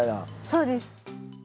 そうです。